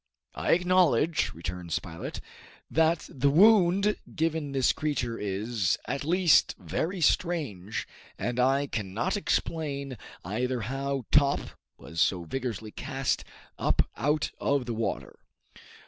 "I acknowledge," returned Spilett, "that the wound given this creature is, at least, very strange, and I cannot explain either how Top was so vigorously cast up out of the water.